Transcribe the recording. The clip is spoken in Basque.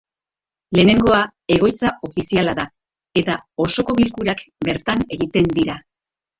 Lehenengoa egoitza ofiziala da, eta osoko bilkurak bertan egiten dira.